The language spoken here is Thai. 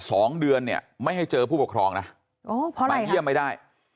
สองเดือนเนี่ยไม่ให้เจอผู้ปกครองนะโอ้พอมาเยี่ยมไม่ได้